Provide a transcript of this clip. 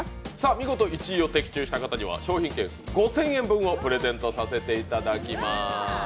見事１位を的中した方には商品券５０００円分をプレゼントさせていただきます。